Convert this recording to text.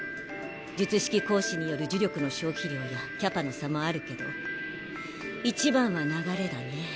術式行使による呪力の消費量やキャパの差もあるけどいちばんは流れだね。